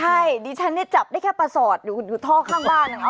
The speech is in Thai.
ใช่นี่ฉันเนี่ยที่จะจับได้แค่ปลาสอร์สอยู่ท่อข้างบ้าน